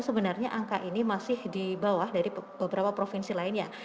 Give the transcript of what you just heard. sebenarnya angka ini masih di bawah dari beberapa provinsi lainnya